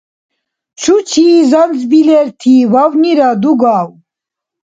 Чучир занзбилерти вавнира дугав?